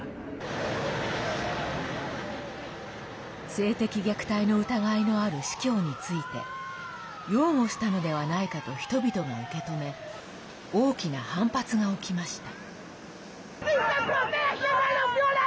性的虐待の疑いのある司教について擁護したのではないかと人々が受け止め大きな反発が起きました。